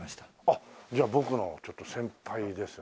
あっじゃあ僕のちょっと先輩ですね。